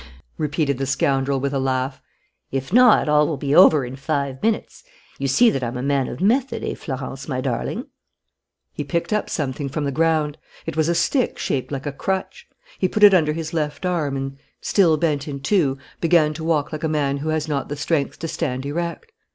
repeated the scoundrel, with a laugh. "If not, all will be over in five minutes. You see that I'm a man of method, eh, Florence, my darling?" He picked up something from the ground. It was a stick shaped like a crutch. He put it under his left arm and, still bent in two, began to walk like a man who has not the strength to stand erect.